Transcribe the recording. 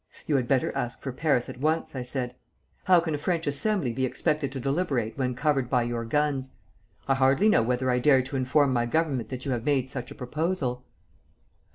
'You had better ask for Paris at once,' I said. 'How can a French Assembly be expected to deliberate when covered by your guns? I hardly know whether I dare to inform my Government that you have made such a proposal.'